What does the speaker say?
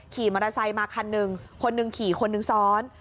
ขี่มอเตอร์ไซค์มาคันหนึ่งคนหนึ่งขี่คนหนึ่งซ้อน